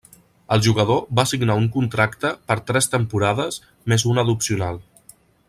El jugador va signar un contracte per tres temporades més una d'opcional.